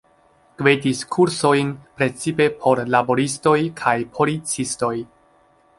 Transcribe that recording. Gvidis kursojn precipe por laboristoj kaj policistoj.